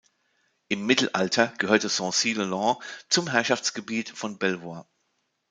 Im Mittelalter gehörte Sancey-le-Long zum Herrschaftsgebiet von Belvoir.